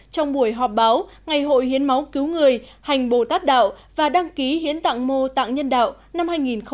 trong buổi họp báo ngày hội hiến máu cứu người hành bồ tát đạo và đăng ký hiến tặng mô tặng nhân đạo năm hai nghìn một mươi chín